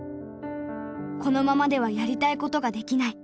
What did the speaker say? このままではやりたいことができない。